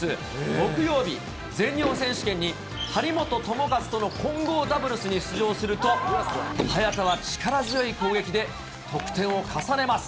木曜日、全日本選手権に張本智和との混合ダブルスに出場すると、早田は力強い攻撃で得点を重ねます。